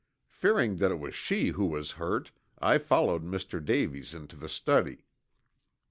Fearing that it was she who was hurt I followed Mr. Davies into the study."